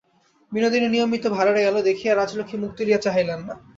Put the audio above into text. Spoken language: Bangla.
বিনোদিনী নিয়মমত ভাঁড়ারে গেল, দেখিয়া, রাজলক্ষ্মী মুখ তুলিয়া চাহিলেন না।